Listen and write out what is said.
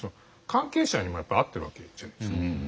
関係者にもやっぱり会ってるわけじゃないですか。